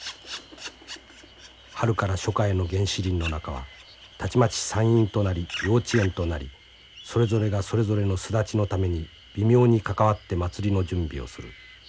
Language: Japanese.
春から初夏への原始林の中はたちまち産院となり幼稚園となりそれぞれがそれぞれの巣立ちのために微妙に関わって祭りの準備をする。